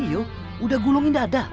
iya udah gulungin dada